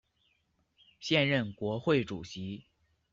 现任国会主席。